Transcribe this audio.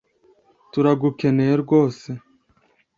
Turagukeneye rwose